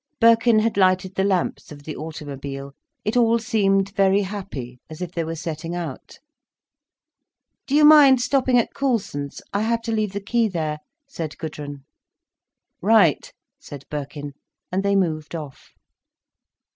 Birkin had lighted the lamps of the automobile. It all seemed very happy, as if they were setting out. "Do you mind stopping at Coulsons. I have to leave the key there," said Gudrun. "Right," said Birkin, and they moved off.